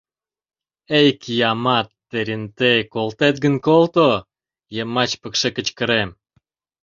— Эй, киямат, Терентей, колтет гын, колто?! — йымач пыкше кычкырем.